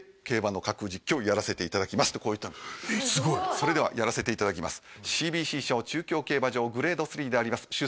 「競馬の架空実況をやらせていただきます」ってこう言ったすごいそれではやらせていただきますＣＢＣ賞中京競馬場グレード３であります